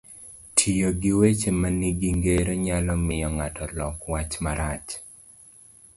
Tiyo gi weche manigi ngero nyalo miyo ng'ato lok wach marach,